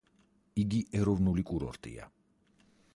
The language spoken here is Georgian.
იგი ეროვნული კურორტია.